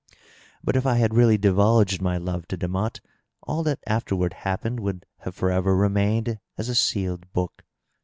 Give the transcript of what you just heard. But if I had really divulged my love to Demotte, all that Afterward happened would have forever remained as a sealed book.